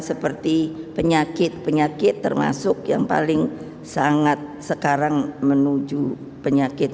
seperti penyakit penyakit termasuk yang paling sangat sekarang menuju penyakit